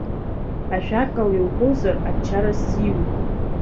Ажәакала иуҳәозар ачара сзиуит.